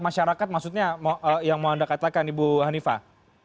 masyarakat maksudnya yang mau anda katakan ibu hanifah